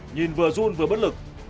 nhìn vừa run vừa bất lực